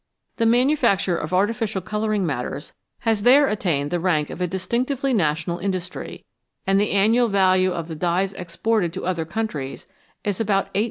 The manufacture of artificial colouring 286 VALUABLE SUBSTANCES matters has there attained the rank of a distinctively national industry, and the annual value of the dyes exported to other countries is about <8,000,000.